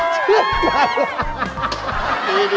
สุดยอด